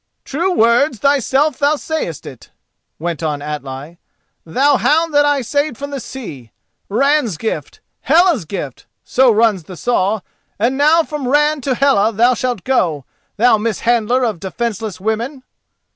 "True words, thyself thou sayest it," went on Atli, "thou hound that I saved from the sea! 'Ran's gift, Hela's gift,' so runs the saw, and now from Ran to Hela thou shalt go, thou mishandler of defenceless women!"